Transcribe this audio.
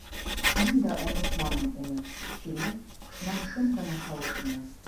Мин дә онотманым уны, - тине шунан шым ғына тауыш менән.